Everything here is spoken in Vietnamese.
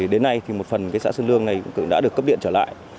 đến nay thì một phần xã sơn lương này cũng đã được cấp điện trở lại